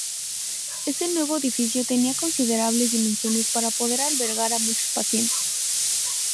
Este nuevo edificio tenía considerables dimensiones para poder albergar a muchos pacientes.